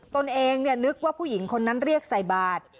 ตนเองนึกว่าผู้หญิงคนนั้นเรียกใส่บาท